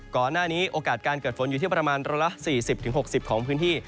ก่อนหน้านี้โอกาสการเกิดฝนอยู่ที่ประมาณร้อนละ๔๐๖๐ของพื้นที่